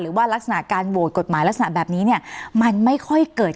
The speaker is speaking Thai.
ลักษณะการโหวตกฎหมายลักษณะแบบนี้เนี่ยมันไม่ค่อยเกิด